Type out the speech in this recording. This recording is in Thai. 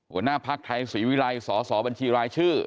หัวหน้าภักดิ์ไทยศรีวิรัยสอสอบัญชีรายชื่อ